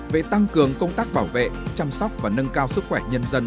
về tăng cường công tác bảo vệ chăm sóc và nâng cao sức khỏe nhân dân